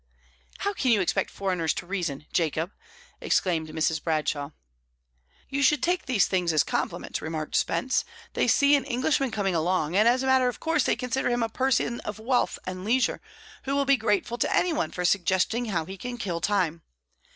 "How can you expect foreigners to reason, Jacob?" exclaimed Mrs. Bradshaw. "You should take these things as compliments," remarked Spence. "They see an Englishman coming along, and as a matter of course they consider him a person of wealth and leisure, who will be grateful to any one for suggesting how he can kill time.